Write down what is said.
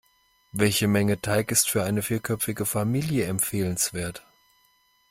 Welche Menge Teig ist für eine vierköpfige Familie empfehlenswert?